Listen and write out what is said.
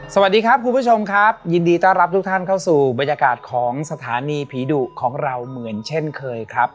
สวัสดีครับคุณผู้ชมครับยินดีต้อนรับทุกท่านเข้าสู่บรรยากาศของสถานีผีดุของเราเหมือนเช่นเคยครับ